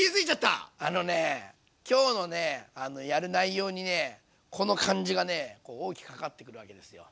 あのね今日のねやる内容にねこの感じがね大きく関わってくるわけですよ。